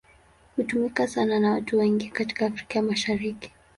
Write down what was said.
Hutumika sana na watu wengi katika Afrika ya Mashariki.